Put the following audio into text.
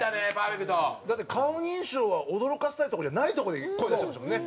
だって顔認証は驚かせたいところじゃないとこで声出してましたもんね。